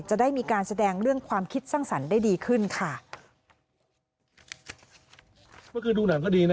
จะได้มีการแสดงเรื่องความคิดสร้างสรรค์ได้ดีขึ้นค่ะ